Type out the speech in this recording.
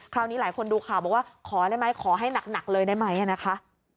คราวนี้หลายคนดูข่าวบอกว่าขอได้ไหมขอให้หนักเลยได้ไหมนะคะ